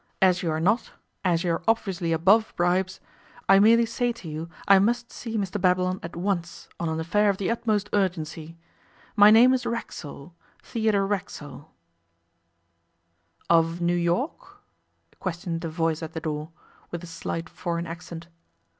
As you are not as you are obviously above bribes I merely say to you, I must see Mr Babylon at once on an affair of the utmost urgency. My name is Racksole Theodore Racksole.' 'Of New York?' questioned a voice at the door, with a slight foreign accent.